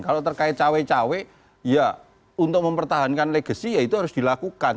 kalau terkait cawek cawek ya untuk mempertahankan legasi ya itu harus dilakukan